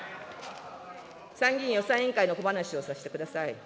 参議院予算委員会の小話をさせてください。